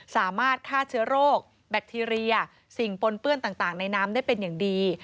สามารถฆ่าเชื้อโรคแบคทีเรียสิ่งปนเปื้อนต่างในน้ำได้เป็นอย่างดี